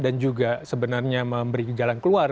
dan juga sebenarnya memberi jalan keluar